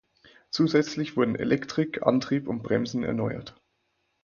Zusätzlich wurden Elektrik, Antrieb und Bremsen erneuert.